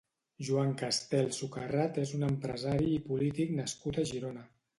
Jean Castel Sucarrat és un empresari i polític nascut a Girona.